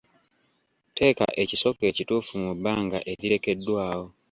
Teeka ekisoko ekituufu mu bbanga erirekeddwawo.